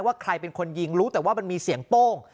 ใครเป็นคนยิงรู้แต่ว่ามันมีเสียงโป้ง